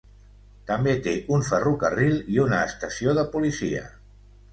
També té un ferrocarril i una estació de policia